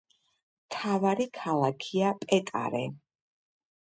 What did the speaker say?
მთავარი ქალაქია პეტარე.